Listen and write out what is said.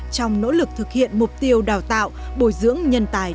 trong nỗ lực thực hiện mục tiêu đào tạo bồi dưỡng nhân tài trung tâm